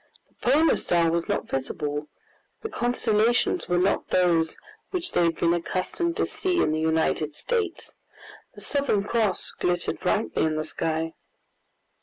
The Polar Star was not visible, the constellations were not those which they had been accustomed to see in the United States; the Southern Cross glittered brightly in the sky.